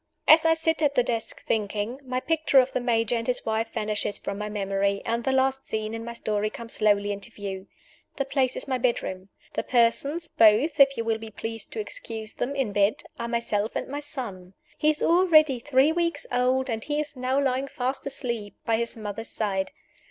As I sit at the desk thinking, the picture of the Major and his wife vanishes from my memory and the last scene in my story comes slowly into view. The place is my bedroom. The persons (both, if you will be pleased to excuse them, in bed) are myself and my son. He is already three weeks old; and he is now lying fast asleep by his mother's side.